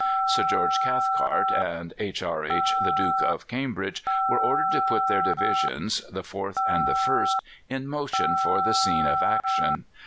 Sir George Cathcart and H.R.H. the Duke of Cambridge were ordered to put their divisions, the fourth and the first, in motion for the scene of action.